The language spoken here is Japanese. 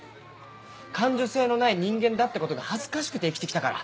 感受性のない人間だってことが恥ずかしくて生きて来たから。